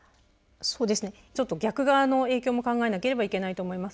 ちょっと、逆側の影響も考えなければいけないと思います。